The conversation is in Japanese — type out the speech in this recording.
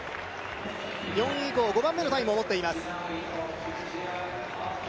４位以降、５番目のタイムを持っています。